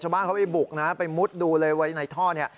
ช่วงบ้านเขาไปบุกนะไปมุดดูเลยว่าในท่อนี้